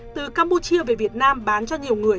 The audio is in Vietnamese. từ campuchia về việt nam bán cho nhiều người